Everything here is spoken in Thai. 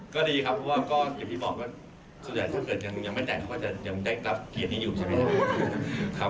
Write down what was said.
ก็ดีใจครับที่วันนี้ยังมีคนให้เกียรตินะครับ